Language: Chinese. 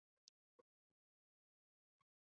桑斯旁圣但尼人口变化图示